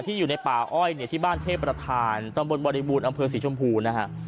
อยู่ในป่าอ้อยเนี่ยที่บ้านเทพประธานตำบลบริบูรณ์อำเภอศรีชมพูนะฮะ